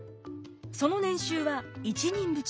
その年収は一人扶持。